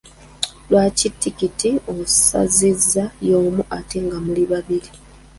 Lwaki tikiti osazizza y'omu ate nga muli babiri?